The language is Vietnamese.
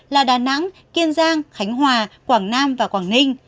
là đà nẵng kiên giang khánh hòa quảng nam và quảng ninh